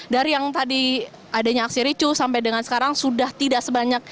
dari yang tadi adanya aksi ricu sampai dengan sekarang sudah tidak sebanyak